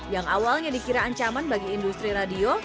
yang awalnya dikira ancaman bagi industri radio